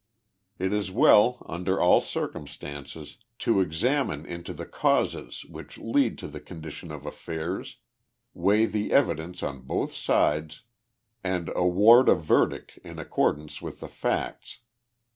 It is well, under all circumstances, to examine into the causes which lead to the condition of affairs, weigh the evidence on both sides, and award a verdict in accordance with the facts.